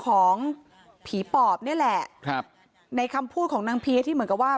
เรื่องของผีปอบเนี่ยแหละในคำพูดของนางเพียที่เหมือนกับว่า